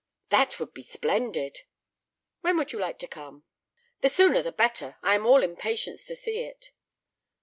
"That would be splendid." "When would you like to come?" "The sooner the better. I am all impatience to see it."